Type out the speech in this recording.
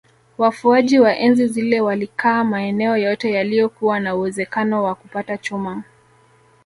Wafuaji wa enzi zile walikaa maeneo yote yaliyokuwa na uwezekano wa kupata chuma